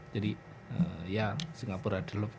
jadi ya singapura adalah